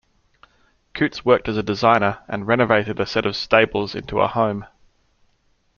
Coutts worked as a designer and renovated a set of stables into a home.